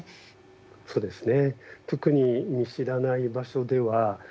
そうですね。